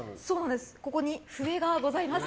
ここに笛がございます。